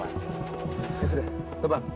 ya sudah tebang